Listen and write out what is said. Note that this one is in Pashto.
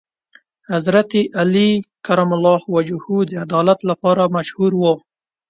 حضرت علی کرم الله وجهه د عدالت لپاره مشهور و.